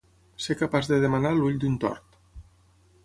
Ser capaç de demanar l'ull d'un tort.